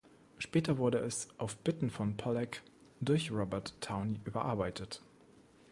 Später wurde es auf Bitten von Pollack durch Robert Towne überarbeitet.